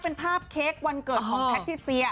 เป็นภาพเค้กวันเกิดของแพทิเซีย